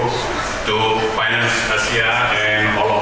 selamat pagi semuanya